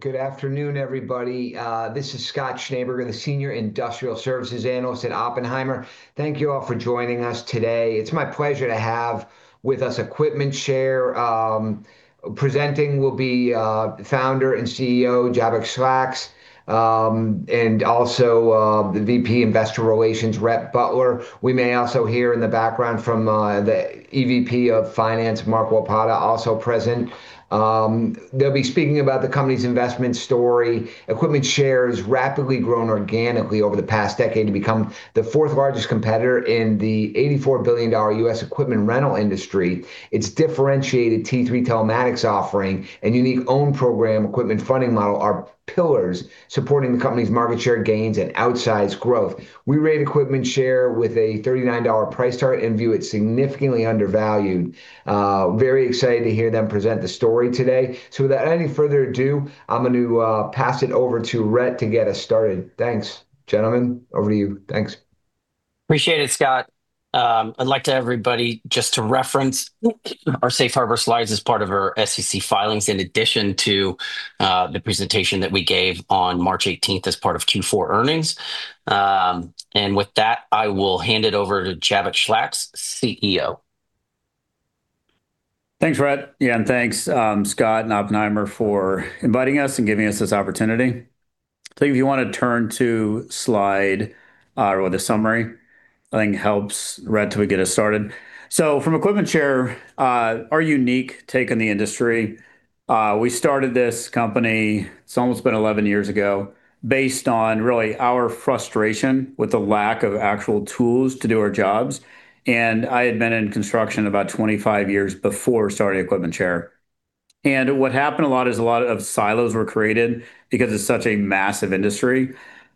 Good afternoon, everybody. This is Scott Schneeberger, the Senior Industrial Services Analyst at Oppenheimer. Thank you all for joining us today. It's my pleasure to have with us EquipmentShare. Presenting will be Founder and CEO, Jabbok Schlacks, and also the VP, Investor Relations, Rhett Butler. We may also hear in the background from the EVP of Finance, Mark Wopata, also present. They'll be speaking about the company's investment story. EquipmentShare has rapidly grown organically over the past decade to become the fourth-largest competitor in the $84 billion U.S. equipment rental industry. Its differentiated T3 telematics offering and unique OWN Program equipment funding model are pillars supporting the company's market share gains and outsized growth. We rate EquipmentShare with a $39 price target and view it significantly undervalued. Very excited to hear them present the story today. Without any further ado, I'm gonna pass it over to Rhett to get us started. Thanks. Gentlemen, over to you. Thanks. Appreciate it, Scott. I'd like to everybody just to reference our safe harbor slides as part of our SEC filings, in addition to the presentation that we gave on March 18th as part of Q4 earnings. With that, I will hand it over to Jabbok Schlacks, CEO. Thanks, Rhett. Thanks, Scott and Oppenheimer for inviting us and giving us this opportunity. If you wanna turn to slide, or the summary, I think helps, Rhett, till we get us started. From EquipmentShare, our unique take on the industry, we started this company, it's almost been 11 years ago, based on really our frustration with the lack of actual tools to do our jobs, and I had been in construction about 25 years before starting EquipmentShare. What happened a lot is a lot of silos were created because it's such a massive industry.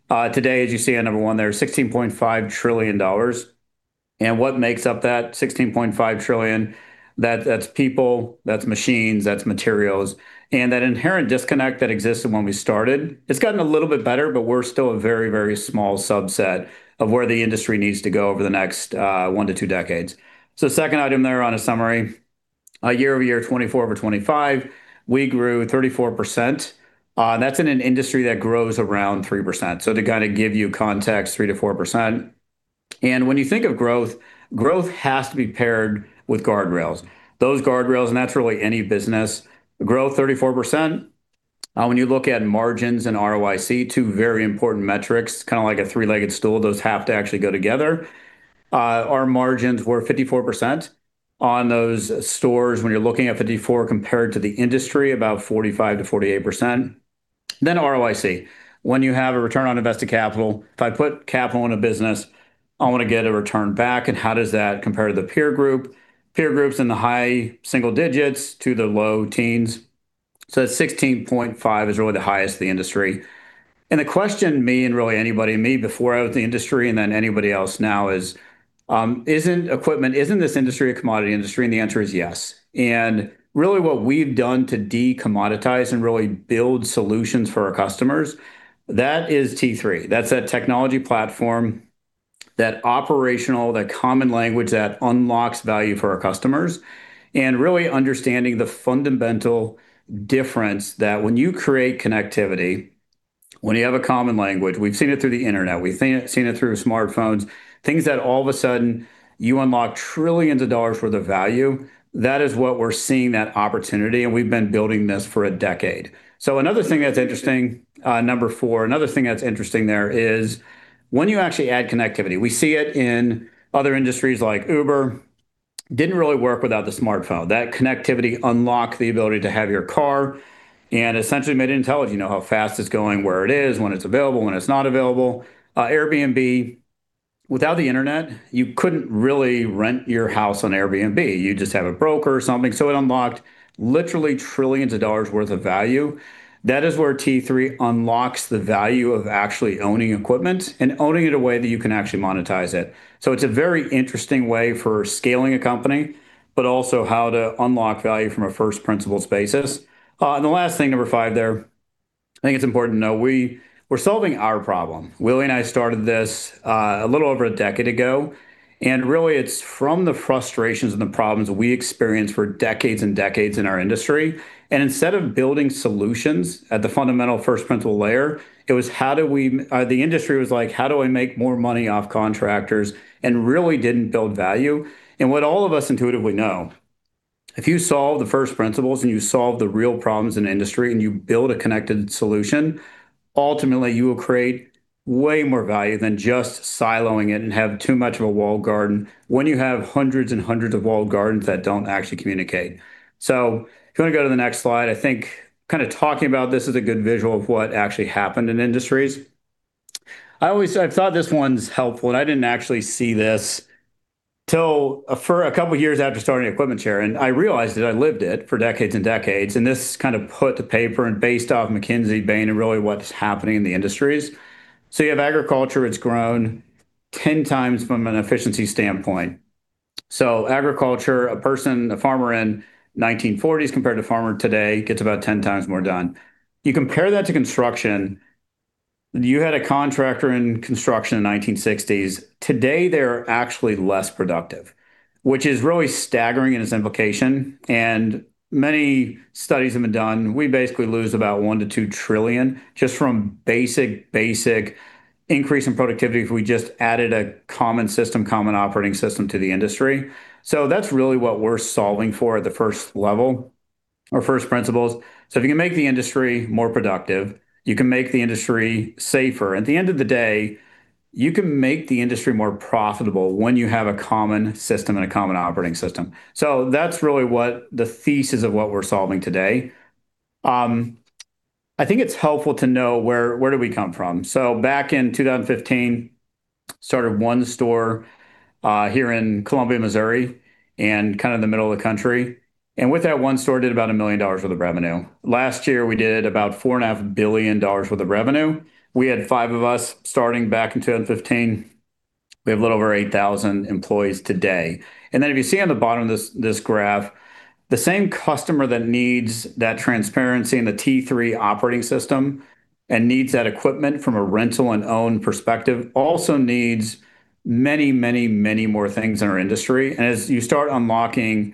Today, as you see on number one there, $16.5 trillion. What makes up that $16.5 trillion, that's people, that's machines, that's materials, and that inherent disconnect that existed when we started, it's gotten a little bit better, but we're still a very, very small subset of where the industry needs to go over the next one to two decades. Second item there on a summary, a year-over-year 2024 over 2025, we grew 34%, and that's in an industry that grows around 3%. To kinda give you context, 3%-4%. When you think of growth has to be paired with guardrails. Those guardrails, and that's really any business. Growth 34%, when you look at margins and ROIC, two very important metrics, kinda like a three-legged stool, those have to actually go together. Our margins were 54% on those stores when you're looking at 54 compared to the industry, about 45%-48%. ROIC. When you have a return on invested capital, if I put capital in a business, I wanna get a return back, and how does that compare to the peer group? Peer group's in the high single digits to the low teens. That 16.5 is really the highest of the industry. The question me, and really anybody, me before I was in the industry and then anybody else now is, isn't equipment, isn't this industry a commodity industry? The answer is yes. Really what we've done to de-commoditize and really build solutions for our customers, that is T3. That's that technology platform, that operational, that common language that unlocks value for our customers, and really understanding the fundamental difference that when you create connectivity, when you have a common language, we've seen it through the internet, we've seen it through smartphones, things that all of a sudden you unlock trillions of dollars worth of value, that is what we're seeing that opportunity, and we've been building this for a decade. Another thing that's interesting, number four, another thing that's interesting there is when you actually add connectivity, we see it in other industries like Uber, didn't really work without the smartphone. That connectivity unlocked the ability to have your car and essentially made it intelligent. You know how fast it's going, where it is, when it's available, when it's not available. Airbnb, without the internet, you couldn't really rent your house on Airbnb. You'd just have a broker or something. It unlocked literally trillions of dollars worth of value. That is where T3 unlocks the value of actually owning equipment and owning it in a way that you can actually monetize it. It's a very interesting way for scaling a company, but also how to unlock value from a first principles basis. The last thing, number five there, I think it's important to know, we're solving our problem. Willy and I started this a little over a decade ago, and really it's from the frustrations and the problems we experienced for decades and decades in our industry. Instead of building solutions at the fundamental first principle layer, the industry was like, "How do I make more money off contractors?" Really didn't build value. What all of us intuitively know, if you solve the first principles and you solve the real problems in industry and you build a connected solution, ultimately you will create way more value than just siloing it and have too much of a walled garden when you have hundreds and hundreds of walled gardens that don't actually communicate. If you wanna go to the next slide, I think kinda talking about this is a good visual of what actually happened in industries. I thought this one's helpful, and I didn't actually see this till a couple years after starting EquipmentShare, and I realized it, I lived it for decades and decades, and this kind of put to paper and based off McKinsey, Bain, and really what's happening in the industries. You have agriculture, it's grown 10 times from an efficiency standpoint. Agriculture, a person, a farmer in 1940s compared to a farmer today gets about 10 times more done. You compare that to construction. You had a contractor in construction in 1960s. Today, they're actually less productive, which is really staggering in its implication, and many studies have been done. We basically lose about $1 trillion-$2 trillion just from basic increase in productivity if we just added a common system, common operating system to the industry. That's really what we're solving for at the first level or first principles. If you can make the industry more productive, you can make the industry safer. At the end of the day, you can make the industry more profitable when you have a common system and a common operating system. That's really what the thesis of what we're solving today. I think it's helpful to know where do we come from. Back in 2015, started one store here in Columbia, Missouri, and kind of the middle of the country. With that one store, did about $1 million worth of revenue. Last year, we did about $4.5 billion worth of revenue. We had five of us starting back in 2015. We have a little over 8,000 employees today. If you see on the bottom of this graph, the same customer that needs that transparency in the T3 operating system and needs that equipment from a rental and own perspective also needs many more things in our industry. As you start unlocking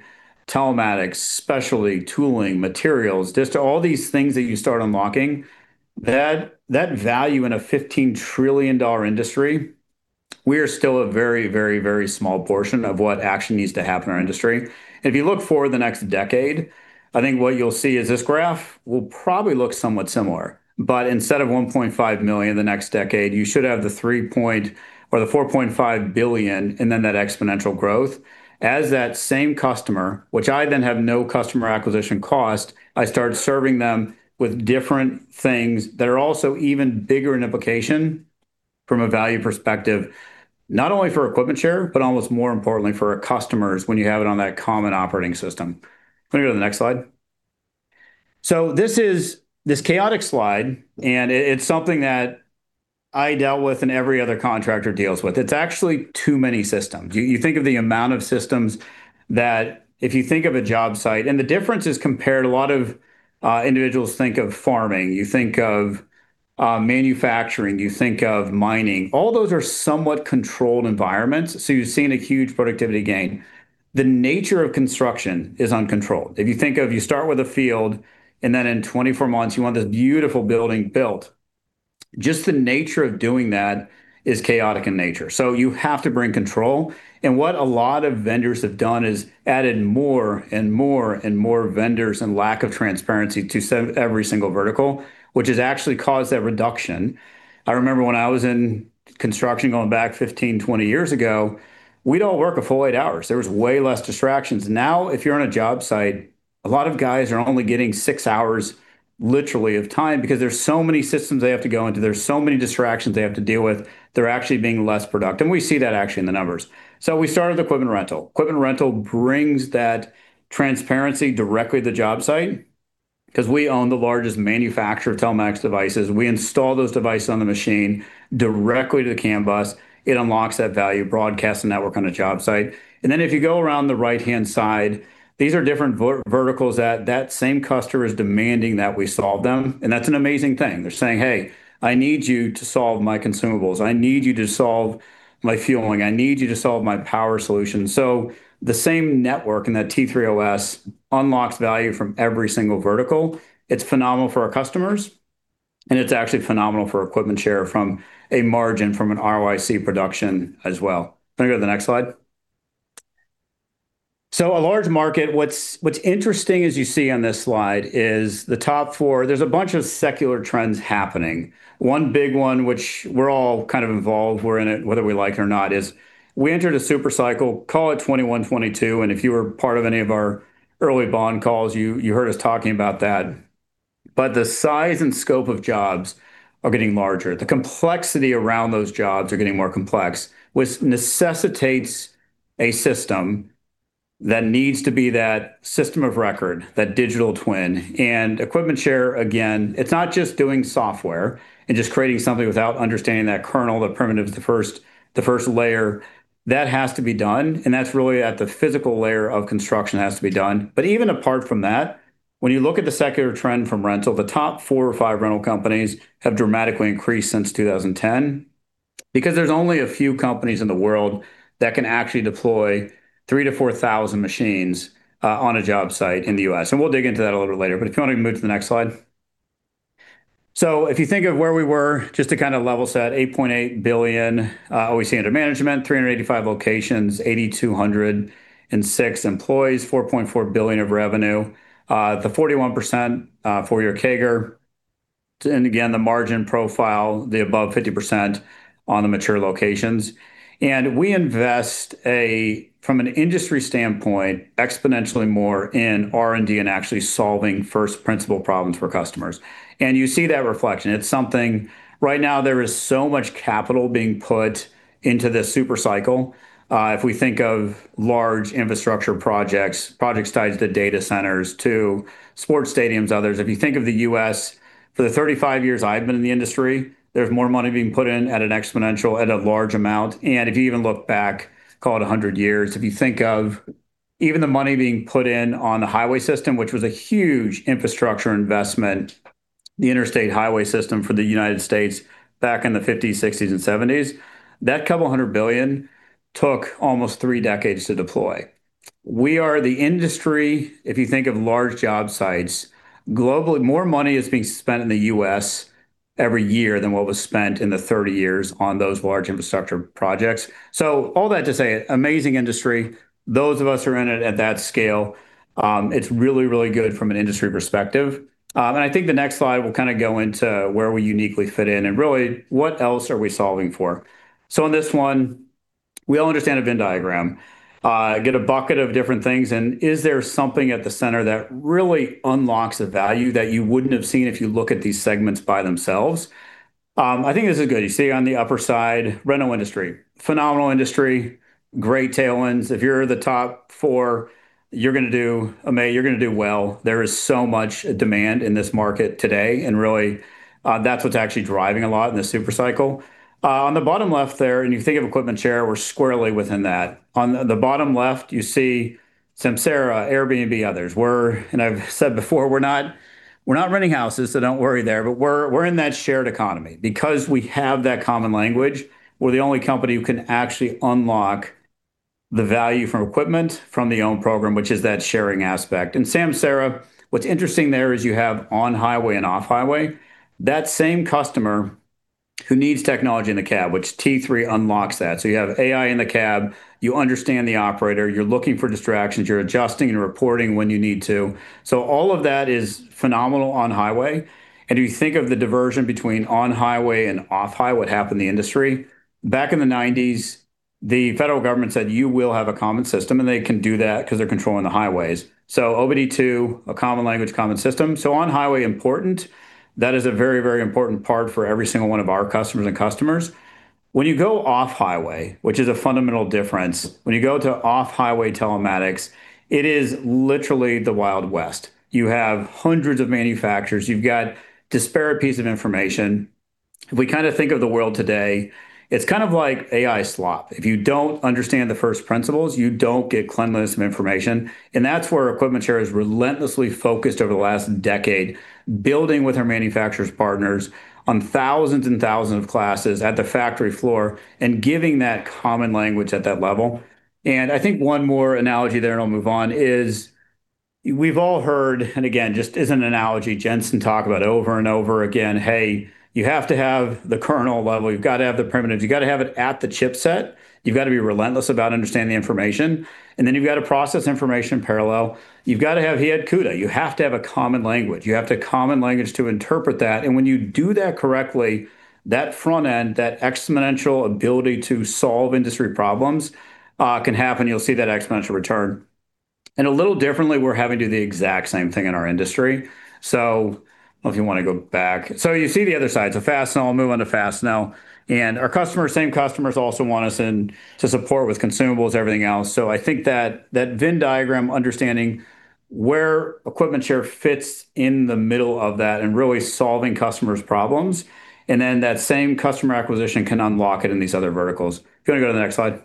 telematics, specialty tooling, materials, just all these things that you start unlocking, that value in a $15 trillion industry, we are still a very, very, very small portion of what actually needs to happen in our industry. If you look forward the next decade, I think what you'll see is this graph will probably look somewhat similar. Instead of $1.5 million the next decade, you should have the $4.5 billion and then that exponential growth. As that same customer, which I then have no customer acquisition cost, I start serving them with different things that are also even bigger in application from a value perspective, not only for EquipmentShare, but almost more importantly for our customers when you have it on that common operating system. Can we go to the next slide? This is this chaotic slide, and it's something that I dealt with and every other contractor deals with. It's actually too many systems. You think of the amount of systems that if you think of a job site. The difference is compared, a lot of individuals think of farming, you think of manufacturing, you think of mining. All those are somewhat controlled environments, so you're seeing a huge productivity gain. The nature of construction is uncontrolled. If you start with a field, and then in 24 months you want this beautiful building built, just the nature of doing that is chaotic in nature. You have to bring control, and what a lot of vendors have done is added more and more and more vendors and lack of transparency to every single vertical, which has actually caused that reduction. I remember when I was in construction going back 15, 20 years ago, we'd all work a full eight hours. There was way less distractions. If you're on a job site, a lot of guys are only getting six hours literally of time because there's so many systems they have to go into. There's so many distractions they have to deal with. They're actually being less productive, we see that actually in the numbers. We started Equipment Rental. Equipment Rental brings that transparency directly to the job site 'cause we own the largest manufacturer of Telematics devices. We install those devices on the machine directly to the CAN bus. It unlocks that value broadcasting network on a job site. Then if you go around the right-hand side, these are different verticals that same customer is demanding that we solve them, and that's an amazing thing. They're saying, "Hey, I need you to solve my consumables. I need you to solve my fueling. I need you to solve my power solution." The same network in that T3OS unlocks value from every single vertical. It's phenomenal for our customers, and it's actually phenomenal for EquipmentShare from a margin from an ROIC production as well. Can I go to the next slide? A large market. What's interesting as you see on this slide is the top four. There's a bunch of secular trends happening. One big one, which we're all kind of involved, we're in it whether we like it or not, is we entered a super cycle, call it 2021, 2022. If you were part of any of our early bond calls, you heard us talking about that. The size and scope of jobs are getting larger. The complexity around those jobs are getting more complex, which necessitates a system that needs to be that system of record, that digital twin. EquipmentShare, again, it's not just doing software and just creating something without understanding that kernel, the primitive, the first layer. That has to be done, and that's really at the physical layer of construction has to be done. Even apart from that, when you look at the secular trend from rental, the top four or five rental companies have dramatically increased since 2010 because there's only a few companies in the world that can actually deploy 3,000-4,000 machines on a job site in the U.S. We'll dig into that a little later if you want to move to the next slide. If you think of where we were, just to kind of level set, $8.8 billion OEC under management, 385 locations, 8,206 employees, $4.4 billion of revenue. The 41% four-year CAGR, and again, the margin profile, the above 50% on the mature locations. We invest a, from an industry standpoint, exponentially more in R&D and actually solving first principle problems for customers. You see that reflection. Right now there is so much capital being put into this super cycle. If we think of large infrastructure projects tied to data centers, to sports stadiums, others. If you think of the U.S., for the 35 years I've been in the industry, there's more money being put in at an exponential, at a large amount. If you even look back, call it 100 years, if you think of even the money being put in on the highway system, which was a huge infrastructure investment, the Interstate Highway System for the United States back in the 1950s, 1960s, and 1970s, that $200 billion took almost three decades to deploy. We are the industry, if you think of large job sites, globally, more money is being spent in the U.S. every year than what was spent in the 30 years on those large infrastructure projects. All that to say, amazing industry. Those of us who are in it at that scale, it's really good from an industry perspective. I think the next slide will kind of go into where we uniquely fit in, and really, what else are we solving for? On this one, we all understand a Venn diagram. Get a bucket of different things, and is there something at the center that really unlocks the value that you wouldn't have seen if you look at these segments by themselves? I think this is good. You see on the upper side, rental industry. Phenomenal industry, great tailwinds. If you're the top four, you're gonna do amazing. You're gonna do well. There is so much demand in this market today, and really, that's what's actually driving a lot in this super cycle. On the bottom left there, you think of EquipmentShare, we're squarely within that. On the bottom left, you see Samsara, Airbnb, others. We're, I've said before, we're not, we're not renting houses, don't worry there. We're, we're in that shared economy. Because we have that common language, we're the only company who can actually unlock the value from equipment from the OWN Program, which is that sharing aspect. Samsara, what's interesting there is you have on-highway and off-highway. That same customer who needs technology in the cab, which T3 unlocks that. You have AI in the cab, you understand the operator, you're looking for distractions, you're adjusting and reporting when you need to. All of that is phenomenal on-highway. If you think of the diversion between on-highway and off-highway, what happened in the industry, back in the 1990s, the federal government said, "You will have a common system," and they can do that 'cause they're controlling the highways. OBD2, a common language, common system. On-highway important. That is a very, very important part for every single one of our customers and customers. When you go off-highway, which is a fundamental difference, when you go to off-highway telematics, it is literally the Wild West. You have hundreds of manufacturers. You've got disparate pieces of information. If we kind of think of the world today, it's kind of like AI slop. If you don't understand the first principles, you don't get cleanliness of information, and that's where EquipmentShare is relentlessly focused over the last decade, building with our manufacturers partners on thousands and thousands of classes at the factory floor and giving that common language at that level. I think one more analogy there, and I'll move on, is we've all heard, and again, just as an analogy, Jensen talk about it over and over again, "Hey, you have to have the kernel level. You've gotta have the primitives. You gotta have it at the chip set. You've gotta be relentless about understanding the information, and then you've gotta process information in parallel. You've gotta have head CUDA. You have to have a common language. You have to common language to interpret that." When you do that correctly, that front end, that exponential ability to solve industry problems can happen. You'll see that exponential return. A little differently, we're having to do the exact same thing in our industry. If you wanna go back. You see the other side. Fastenal, move on to Fastenal. Our customers, same customers also want us in to support with consumables, everything else. I think that Venn diagram, understanding where EquipmentShare fits in the middle of that and really solving customers' problems, and then that same customer acquisition can unlock it in these other verticals. If you wanna go to the next slide.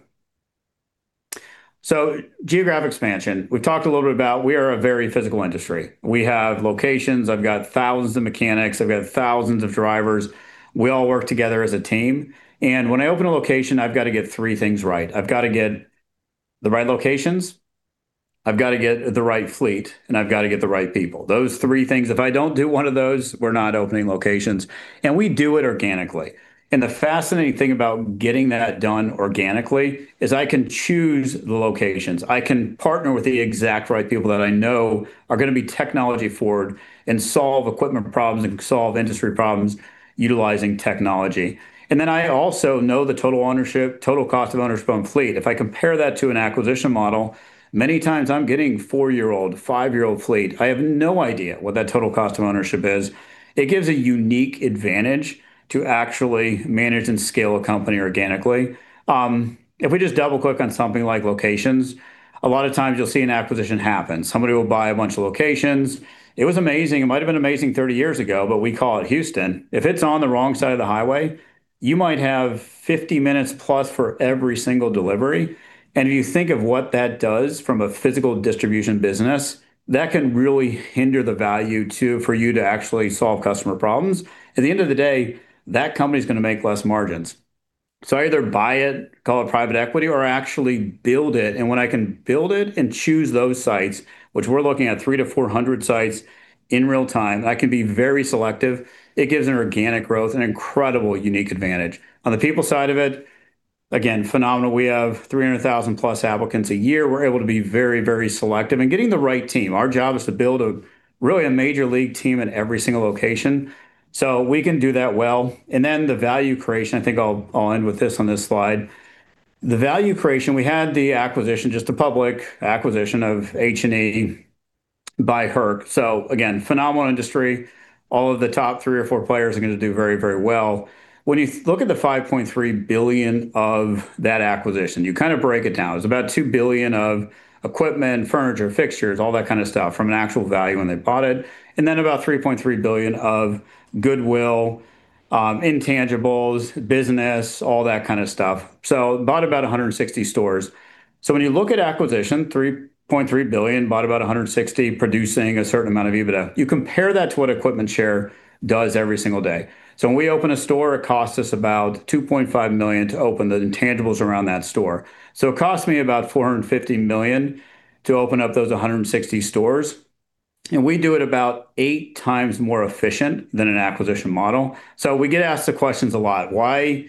Geographic expansion. We've talked a little bit about we are a very physical industry. We have locations. I've got thousands of mechanics. I've got thousands of drivers. We all work together as a team. When I open a location, I've gotta get three things right. I've gotta get the right locations, I've gotta get the right fleet, and I've gotta get the right people. Those three things, if I don't do one of those, we're not opening locations. We do it organically. The fascinating thing about getting that done organically is I can choose the locations. I can partner with the exact right people that I know are gonna be technology forward and solve equipment problems and solve industry problems utilizing technology. Then I also know the total ownership, total cost of ownership on fleet. If I compare that to an acquisition model, many times I'm getting four-year-old, five-year-old fleet. I have no idea what that total cost of ownership is. It gives a unique advantage to actually manage and scale a company organically. We just double-click on something like locations, a lot of times you'll see an acquisition happen. Somebody will buy a bunch of locations. It was amazing. It might've been amazing 30 years ago, we call it Houston. If it's on the wrong side of the highway, you might have 50+ minutes for every single delivery. If you think of what that does from a physical distribution business, that can really hinder the value to, for you to actually solve customer problems. At the end of the day, that company's going to make less margins. I either buy it, call it private equity, or actually build it. When I can build it and choose those sites, which we're looking at 300-400 sites in real time, I can be very selective. It gives an organic growth, an incredible unique advantage. On the people side of it, again, phenomenal. We have 300,000+ applicants a year. We're able to be very, very selective and getting the right team. Our job is to build a, really a major league team in every single location, so we can do that well. Then the value creation, I think I'll end with this on this slide. The value creation, we had the acquisition, just a public acquisition of H&E by Herc. Again, phenomenal industry. All of the top three or four players are gonna do very, very well. When you look at the $5.3 billion of that acquisition, you kind of break it down. It's about $2 billion of equipment, furniture, fixtures, all that kind of stuff from an actual value when they bought it, and then about $3.3 billion of goodwill, intangibles, business, all that kind of stuff. Bought about 160 stores. When you look at acquisition, $3.3 billion, bought about 160, producing a certain amount of EBITDA. You compare that to what EquipmentShare does every single day. When we open a store, it costs us about $2.5 million to open the intangibles around that store. It cost me about $450 million to open up those 160 stores, and we do it about eight times more efficient than an acquisition model. We get asked the questions a lot, "Why?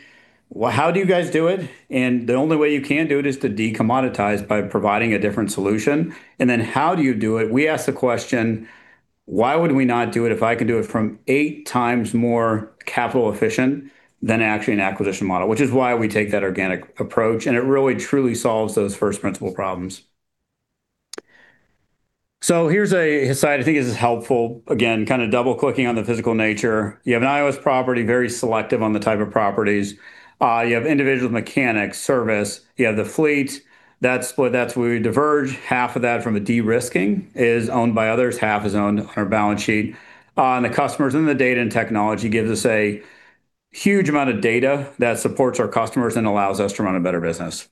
Well, how do you guys do it?" The only way you can do it is to de-commoditize by providing a different solution. How do you do it? We ask the question, why would we not do it if I can do it from eight times more capital efficient than actually an acquisition model? We take that organic approach, and it really truly solves those first principle problems. Here's a slide. I think this is helpful. Again, kind of double-clicking on the physical nature. You have an IOS property, very selective on the type of properties. You have individual mechanics, service. You have the fleet. That's where we diverge. Half of that from a de-risking is owned by others, half is owned on our balance sheet. The customers and the data and technology gives us a huge amount of data that supports our customers and allows us to run a better business.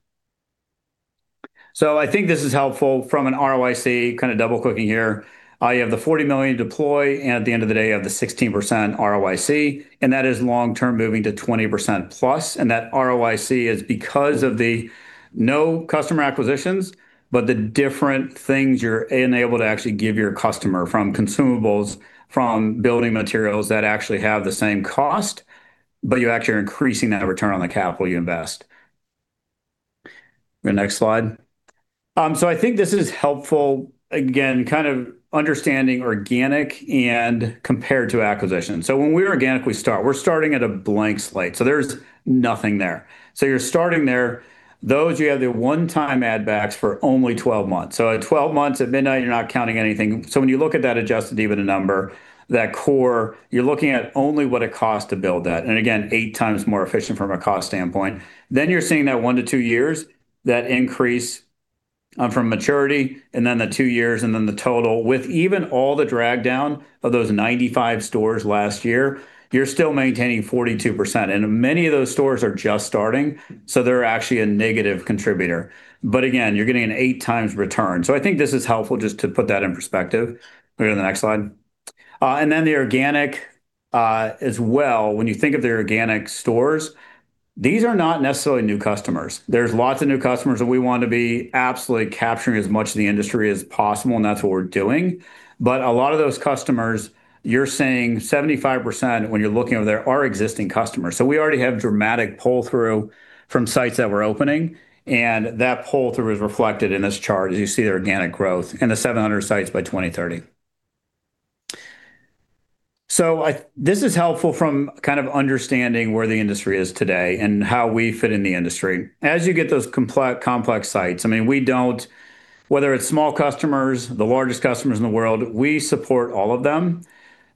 I think this is helpful from an ROIC, kind of double-clicking here. I have the $40 million deploy, and at the end of the day, I have the 16% ROIC, and that is long-term moving to 20%+, and that ROIC is because of the no customer acquisitions, but the different things you're enabled to actually give your customer, from consumables, from building materials that actually have the same cost, but you actually are increasing that return on the capital you invest. The next slide. I think this is helpful, again, kind of understanding organic and compared to acquisition. When we're organic, we start. We're starting at a blank slate, there's nothing there. You're starting there. Those, you have the one-time add backs for only 12 months. At 12 months, at midnight, you're not counting anything. When you look at that adjusted EBITDA number, that core, you're looking at only what it costs to build that, and again, eight times more efficient from a cost standpoint. You're seeing that 1-2 years, that increase from maturity, and then the two years, and then the total. With even all the drag down of those 95 stores last year, you're still maintaining 42%, and many of those stores are just starting, so they're actually a negative contributor. Again, you're getting an eight times return. I think this is helpful just to put that in perspective. Go to the next slide. The organic as well. When you think of the organic stores, these are not necessarily new customers. There's lots of new customers that we want to be absolutely capturing as much of the industry as possible, that's what we're doing. A lot of those customers, you're seeing 75% when you're looking over there are existing customers. We already have dramatic pull-through from sites that we're opening, that pull-through is reflected in this chart as you see the organic growth and the 700 sites by 2030. This is helpful from kind of understanding where the industry is today and how we fit in the industry. As you get those complex sites, I mean, whether it's small customers, the largest customers in the world, we support all of them.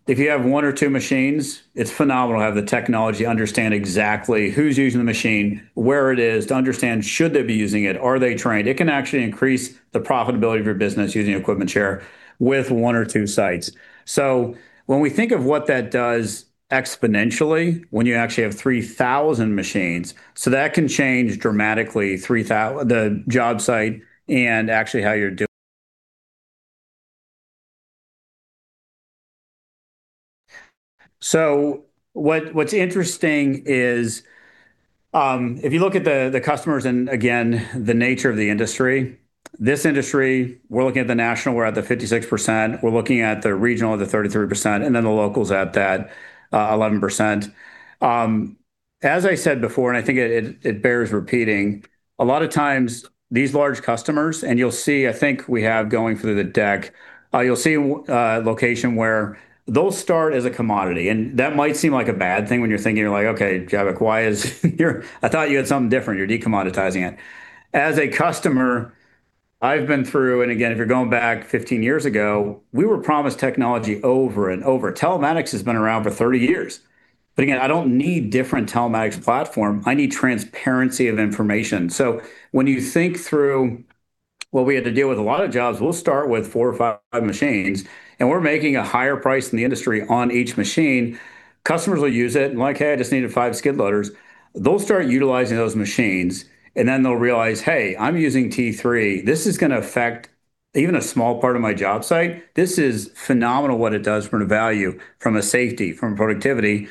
If you have one or two machines, it's phenomenal to have the technology understand exactly who's using the machine, where it is, to understand should they be using it. Are they trained? It can actually increase the profitability of your business using EquipmentShare with one or two sites. When we think of what that does exponentially, when you actually have 3,000 machines, that can change dramatically 3,000 the job site. What's interesting is, if you look at the customers and, again, the nature of the industry, this industry, we're looking at the national, we're at the 56%, we're looking at the regional, the 33%, and then the locals at that 11%. As I said before, and I think it bears repeating, a lot of times these large customers, and you'll see, I think, we have going through the deck, you'll see location where they'll start as a commodity, and that might seem like a bad thing when you're thinking like, "Okay, Jabbok, I thought you had something different. You're de-commoditizing it." As a customer, I've been through, and again, if you're going back 15 years ago, we were promised technology over and over. Telematics has been around for 30 years. Again, I don't need different telematics platform. I need transparency of information. When you think through what we had to deal with a lot of jobs, we'll start with four or five machines, and we're making a higher price than the industry on each machine. Customers will use it and like, "Hey, I just needed five skid loaders." They'll start utilizing those machines, and then they'll realize, "Hey, I'm using T3. This is gonna affect even a small part of my job site. This is phenomenal what it does from the value, from a safety, from productivity.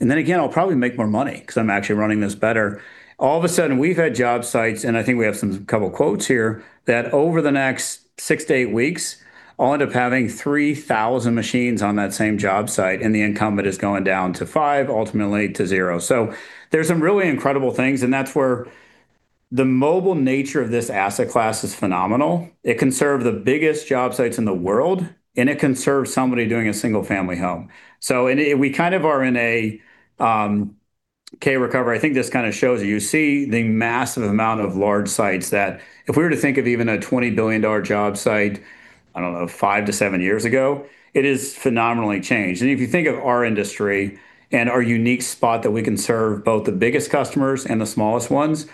Then again, I'll probably make more money 'cause I'm actually running this better." All of a sudden, we've had job sites, and I think we have some couple quotes here, that over the next 6-8 weeks, I'll end up having 3,000 machines on that same job site, and the incumbent is going down to five, ultimately to zero. There's some really incredible things, and that's where the mobile nature of this asset class is phenomenal. It can serve the biggest job sites in the world, and it can serve somebody doing a single-family home. We kind of are in a K-recovery. I think this kind of shows you. You see the massive amount of large sites that if we were to think of even a $20 billion job site, I don't know, 5-7 years ago, it is phenomenally changed. And if you think of our industry and our unique spot that we can serve both the biggest customers and the smallest ones,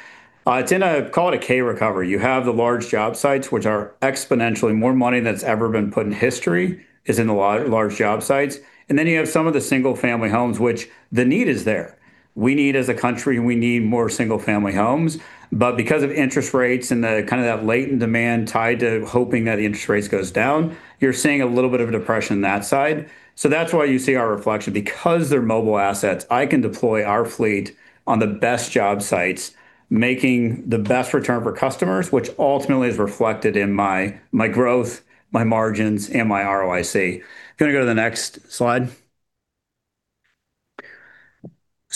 it's in a call it a K-recovery. You have the large job sites, which are exponentially more money than that's ever been put in history is in the large job sites, and then you have some of the single-family homes which the need is there. We need as a country, we need more single-family homes. Because of interest rates and the kind of that latent demand tied to hoping that the interest rates goes down, you're seeing a little bit of a depression that side. That's why you see our reflection. Because they're mobile assets, I can deploy our fleet on the best job sites, making the best return for customers, which ultimately is reflected in my growth, my margins, and my ROIC. Can you go to the next slide?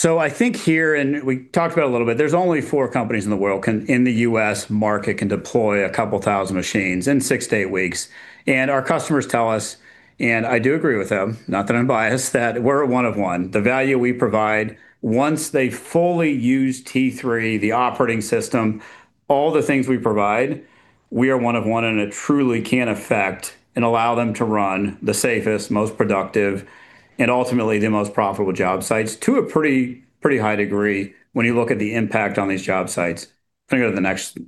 I think here, and we talked about a little bit, there's only four companies in the world in the U.S. market can deploy a couple thousand machines in 6-8 weeks. Our customers tell us, and I do agree with them, not that I'm biased, that we're a one of one. The value we provide once they fully use T3, the operating system, all the things we provide, we are one of one, and it truly can affect and allow them to run the safest, most productive, and ultimately the most profitable job sites to a pretty high degree when you look at the impact on these job sites. Can you go to the next?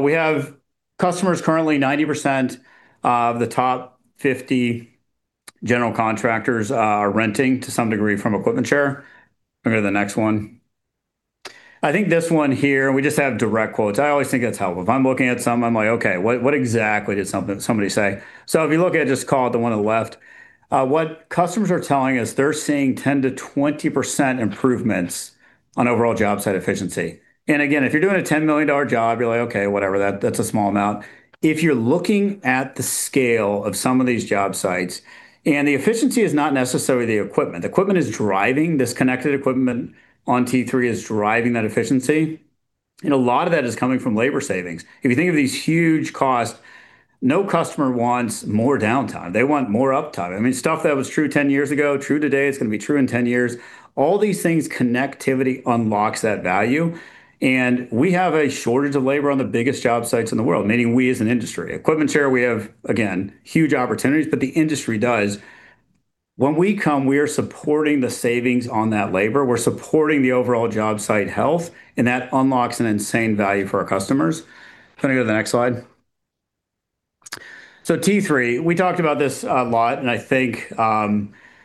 We have customers currently 90% of the top 50 general contractors are renting to some degree from EquipmentShare. Can we go to the next one? I think this one here, we just have direct quotes. I always think that's helpful. If I'm looking at something, I'm like, "Okay, what exactly did somebody say?" If you look at, just call it the one on the left, what customers are telling us, they're seeing 10%-20% improvements on overall job site efficiency. Again, if you're doing a $10 million job, you're like, "Okay, whatever. That's a small amount." If you're looking at the scale of some of these job sites, the efficiency is not necessarily the equipment. The equipment is driving. This connected equipment on T3 is driving that efficiency, a lot of that is coming from labor savings. If you think of these huge costs, no customer wants more downtime. They want more uptime. I mean, stuff that was true 10 years ago, true today, it's gonna be true in 10 years. All these things, connectivity unlocks that value. We have a shortage of labor on the biggest job sites in the world, meaning we as an industry, EquipmentShare, we have, again, huge opportunities. The industry does. When we come, we are supporting the savings on that labor. We're supporting the overall job site health, and that unlocks an insane value for our customers. Can we go to the next slide? T3, we talked about this a lot, and I think,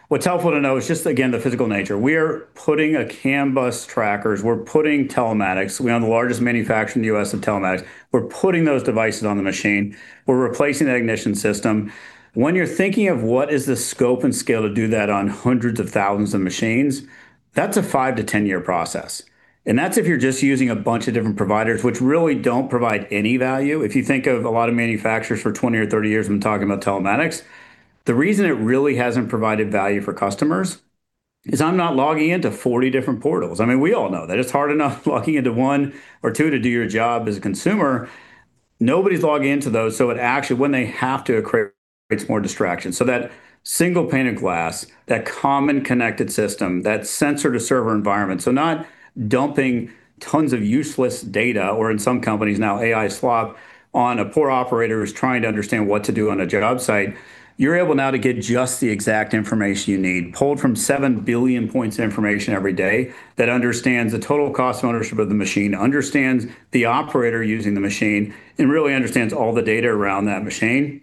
what's helpful to know is just again the physical nature. We are putting a CAN bus trackers. We're putting telematics. We own the largest manufacturer in the U.S. of telematics. We're putting those devices on the machine. We're replacing that ignition system. When you're thinking of what is the scope and scale to do that on hundreds of thousands of machines, that's a 5-10 year process, and that's if you're just using a bunch of different providers which really don't provide any value. If you think of a lot of manufacturers for 20 or 30 years when talking about telematics, the reason it really hasn't provided value for customers is I'm not logging into 40 different portals. I mean, we all know that it's hard enough logging into one or two to do your job as a consumer. Nobody's logging into those, it actually, when they have to, it creates more distraction. That single pane of glass, that common connected system, that sensor to server environment. Not dumping tons of useless data or in some companies now AI slop on a poor operator who's trying to understand what to do on a job site. You're able now to get just the exact information you need pulled from 7 billion points of information every day that understands the total cost of ownership of the machine, understands the operator using the machine, and really understands all the data around that machine.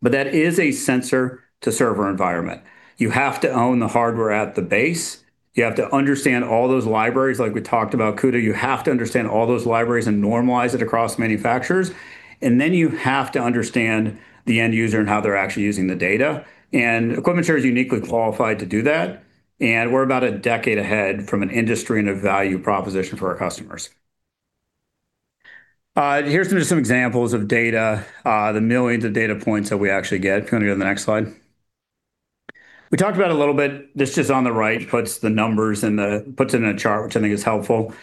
That is a sensor to server environment. You have to own the hardware at the base. You have to understand all those libraries like we talked about, CUDA. You have to understand all those libraries and normalize it across manufacturers, and then you have to understand the end user and how they're actually using the data. EquipmentShare is uniquely qualified to do that, and we're about a decade ahead from an industry and a value proposition for our customers. Here's some just some examples of data, the millions of data points that we actually get. Can we go to the next slide? We talked about a little bit. This just on the right puts the numbers, puts it in a chart, which I think is helpful.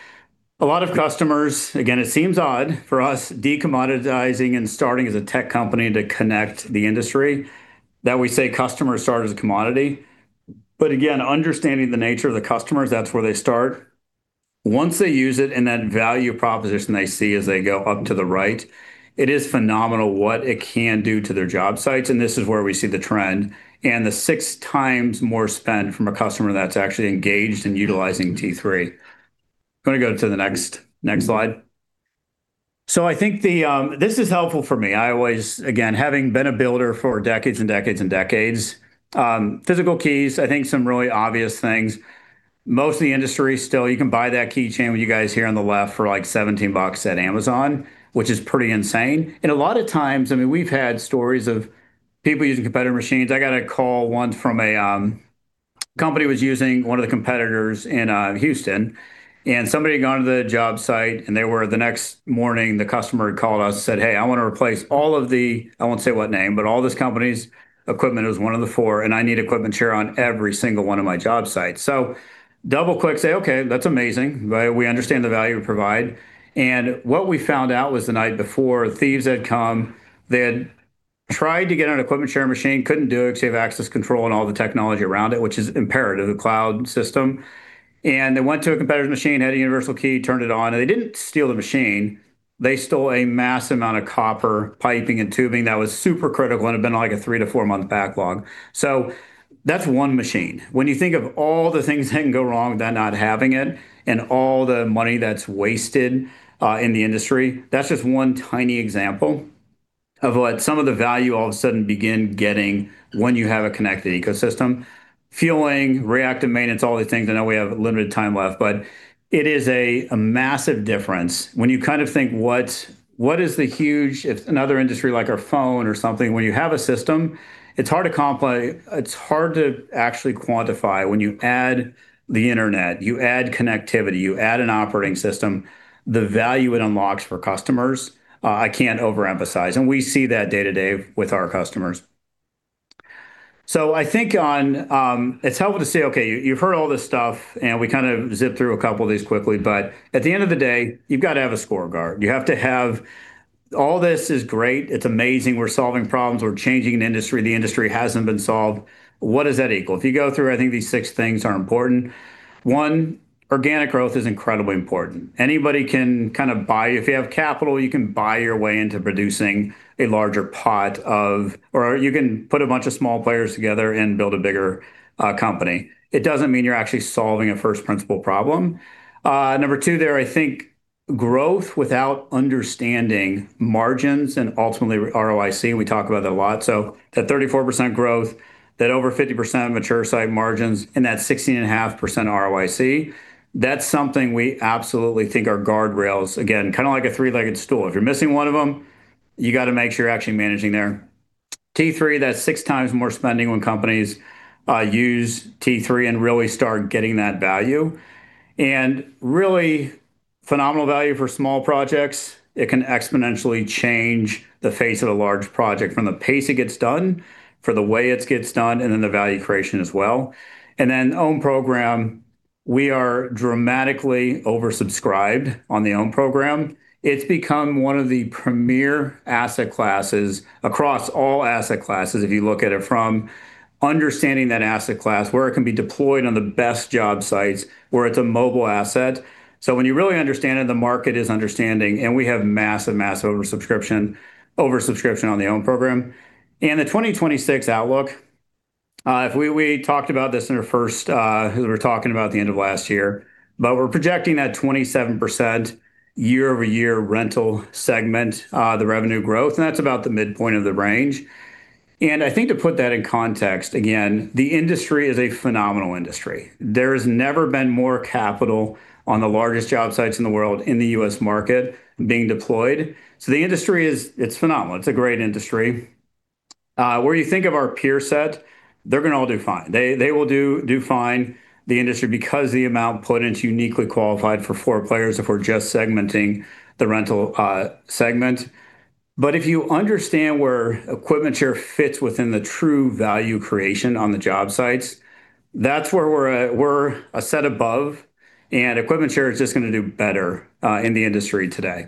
A lot of customers, again, it seems odd for us decommoditizing and starting as a tech company to connect the industry, that we say customers start as a commodity. Again, understanding the nature of the customers, that's where they start. Once they use it and that value proposition they see as they go up to the right, it is phenomenal what it can do to their job sites, and this is where we see the trend and the six times more spend from a customer that's actually engaged in utilizing T3. Can we go to the next slide? This is helpful for me. I always, again, having been a builder for decades and decades and decades, physical keys I think some really obvious things. Most of the industry still, you can buy that keychain what you guys here on the left for like $17 at Amazon, which is pretty insane. A lot of times, I mean, we've had stories of people using competitor machines. I got a call once from a company was using one of the competitors in Houston. Somebody had gone to the job site, and they were the next morning the customer had called us and said, "Hey, I want to replace all of the..." I won't say what name, but all this company's equipment, it was one of the four, "I need EquipmentShare on every single one of my job sites." Double-click say, "Okay, that's amazing, right? We understand the value we provide." What we found out was the night before, thieves had come. They tried to get on an EquipmentShare machine, couldn't do it because you have access control and all the technology around it, which is imperative, the cloud system. They went to a competitor's machine, had a universal key, turned it on, and they didn't steal the machine. They stole a mass amount of copper piping and tubing that was super critical, and it had been like a 3-4 month backlog. That's 1 machine. When you think of all the things that can go wrong with that not having it and all the money that's wasted in the industry, that's just one tiny example of what some of the value all of a sudden begin getting when you have a connected ecosystem. Fueling, reactive maintenance, all these things. I know we have limited time left, but it is a massive difference. When you kind of think what is the huge... If another industry like our phone or something, when you have a system, it's hard to actually quantify when you add the internet, you add connectivity, you add an operating system, the value it unlocks for customers, I can't overemphasize, and we see that day-to-day with our customers. I think on, it's helpful to say, okay, you've heard all this stuff, and we kind of zipped through a couple of these quickly, but at the end of the day, you've got to have a score guard. You have to have. All this is great. It's amazing. We're solving problems. We're changing an industry. The industry hasn't been solved. What does that equal? If you go through, I think these six things are important. One, organic growth is incredibly important. Anybody can kind of buy. If you have capital, you can buy your way into producing a larger or you can put a bunch of small players together and build a bigger company. It doesn't mean you're actually solving a first principle problem. Number two there, I think growth without understanding margins and ultimately ROIC, we talk about that a lot. That 34% growth, that over 50% mature site margins and that 16.5% ROIC, that's something we absolutely think are guardrails. Again, kind of like a three-legged stool. If you're missing one of them, you got to make sure you're actually managing there. T3, that's six times more spending when companies use T3 and really start getting that value, and really phenomenal value for small projects. It can exponentially change the face of a large project from the pace it gets done, for the way it gets done, and then the value creation as well. OWN Program, we are dramatically oversubscribed on the OWN Program. It's become one of the premier asset classes across all asset classes, if you look at it, from understanding that asset class, where it can be deployed on the best job sites, where it's a mobile asset. When you really understand it, the market is understanding, and we have massive oversubscription on the OWN Program. The 2026 outlook, if we talked about this in our first, we were talking about the end of last year, but we're projecting that 27% year-over-year rental segment, the revenue growth, and that's about the midpoint of the range. I think to put that in context, again, the industry is a phenomenal industry. There has never been more capital on the largest job sites in the world in the U.S. market being deployed. The industry, it's phenomenal. It's a great industry. Where you think of our peer set, they're gonna all do fine. They will do fine, the industry, because the amount put into uniquely qualified for four players if we're just segmenting the rental segment. If you understand where EquipmentShare fits within the true value creation on the job sites, that's where we're at. We're a set above, and EquipmentShare is just gonna do better in the industry today.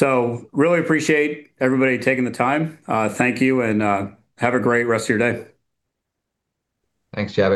Really appreciate everybody taking the time. Thank you, and have a great rest of your day. Thanks, Jabbok.